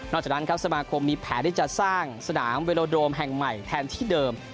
จากนั้นครับสมาคมมีแผนที่จะสร้างสนามเวโลโดมแห่งใหม่แทนที่เดิม